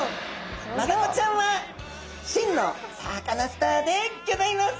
マダコちゃんは真のサカナスターでギョざいます！